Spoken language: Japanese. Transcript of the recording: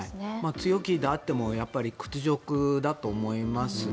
強気であっても屈辱だと思いますね。